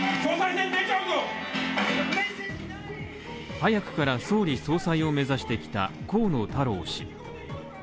早くから総理・総裁を目指してきた河野太郎氏。